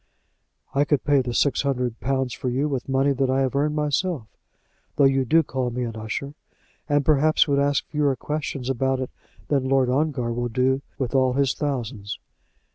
"I could pay the six hundred pounds for you with money that I have earned myself, though you do call me an usher; and perhaps would ask fewer questions about it than Lord Ongar will do with all his thousands."